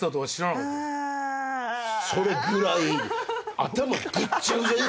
それぐらい。